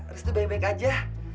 restu baik baik aja